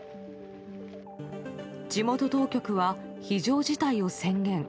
地元当局は非常事態を宣言。